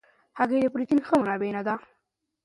هګۍ د پروټین ښه منبع نه ده.